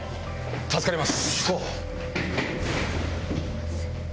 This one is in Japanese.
助かります。